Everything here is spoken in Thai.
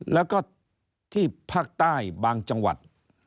แล้วก็ที่ภาคใต้บางจังหวัด